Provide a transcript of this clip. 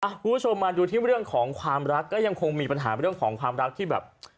คุณผู้ชมมาดูที่เรื่องของความรักก็ยังคงมีปัญหาเรื่องของความรักที่แบบ